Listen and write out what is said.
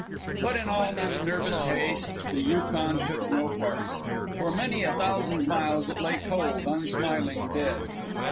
But in all this nervous haste the Yukon took no part. For many a thousand miles it lay cold, unsmiling, dead.